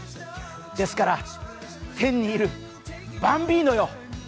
ですから、天にいるバンビーノよ。